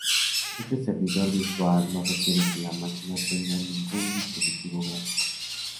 Este servidor virtual no requiere que la máquina tenga ningún dispositivo gráfico.